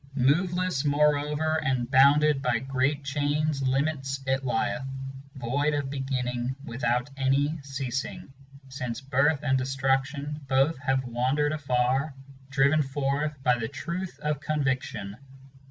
Moveless, moreover, and bounded by great chains' limits itlieth, Void of beginning, without any ceasing, since birth and destruction Both have wandered afar, driven forth by the truth of conviction.